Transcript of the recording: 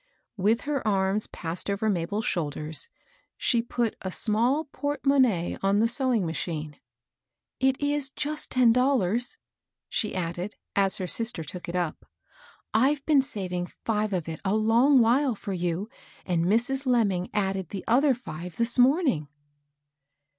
With her arms passed over Mabel's shoulders, she put a small porte monnaie on the sewing machine. ^^ It is just ten dollars,", she added, as her sister took it up. I've been saving five of it a long while for you, and Mrs. Lemming added the other five this morning."